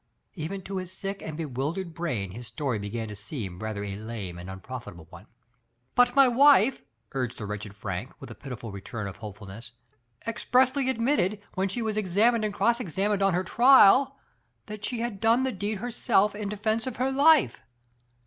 Even to his sick and be wildered brain his story began to seem rather a lame and unprofitable one. "But my wife," urged the wretched Frank, with a pitiful return of hopefulness, "expressly admitted, when she was examined and cross examined on her trial, that she had done the deed herself in defense of her life.